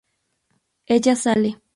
Ella sale.